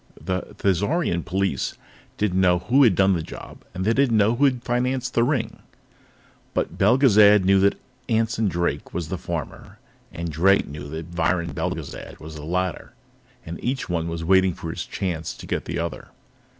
The Thizarian police didn't know who had done the job, and they didn't know who had financed the ring. But Belgezad knew that Anson Drake was the former, and Drake knew that Viron Belgezad was the latter. And each one was waiting his chance to get the other.